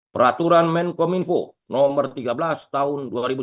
peraturan menkominfo nomor tiga belas tahun dua ribu sembilan belas